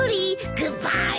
グッバイ。